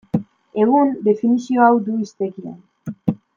Egun, definizio hau du hiztegian.